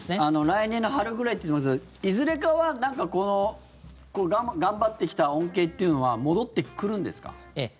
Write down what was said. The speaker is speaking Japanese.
来年の春ぐらいと言ってますけどいずれかは頑張ってきた恩恵っていうのは戻ってくるんですか？